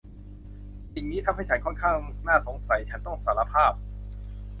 สิ่งนี้ทำให้ฉันค่อนข้างน่าสงสัยฉันต้องสารภาพ